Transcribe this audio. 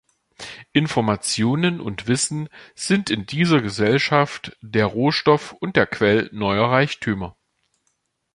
Informationen und Wissen sind in dieser Gesellschaft der Rohstoff und der Quell neuer Reichtümer.